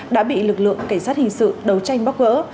đã bị lực lượng cảnh sát hình sự đấu tranh bóc gỡ